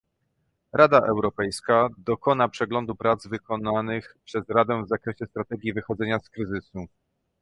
Rada Europejska dokona przeglądu prac wykonanych przez Radę w zakresie strategii wychodzenia z kryzysu